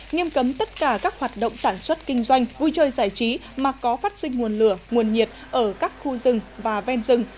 nghiêm cấm tất cả các hoạt động sản xuất kinh doanh vui chơi giải trí mà có phát sinh nguồn lửa nguồn nhiệt ở các khu rừng và ven rừng